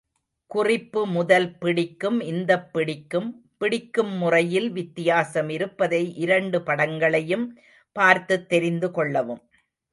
குறிப்பு முதல் பிடிக்கும் இந்தப் பிடிக்கும், பிடிக்கும் முறையில் வித்தியாசம் இருப்பதை இரண்டு படங்களையும் பார்த்துத் தெரிந்து கொள்ளவும்.